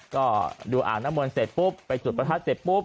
ก็ดูอ่างน้ำมนต์เสร็จปุ๊บไปจุดประทัดเสร็จปุ๊บ